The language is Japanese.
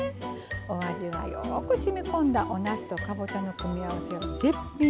お味はよくしみこんだおなすとかぼちゃの組み合わせは絶品です。